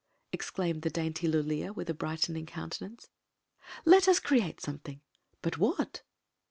exclaimed the dainty Lulea, with brightening countenance. " Let us cre ate something. But what?"